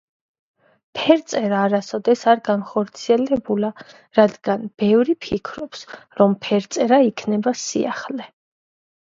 ფერწერა არასოდეს არ განხორციელებულა, რადგან ბევრი ფიქრობს, რომ ფერწერა იქნება „სიახლე“.